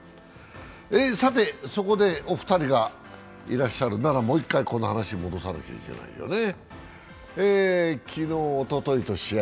さて、そこでお二人がいらっしゃるなら、もう一回この話に戻さなきゃいけないよね。